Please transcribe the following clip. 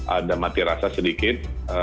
ada mati rasa sedikit